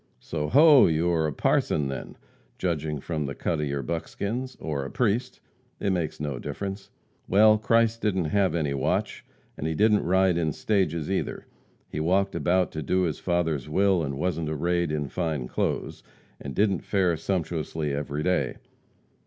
"So, ho! You are a parson then, judging from the cut of your buckskins or a priest it makes no difference. Well, Christ didn't have any watch, and he didn't ride in stages either. He walked about to do his Father's will, and wasn't arrayed in fine clothes, and didn't fare sumptuously every day.